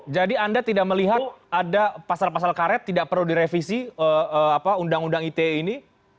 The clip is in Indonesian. jadi anda tidak melihat ada pasal pasal karet tidak perlu direvisi undang undang ite ini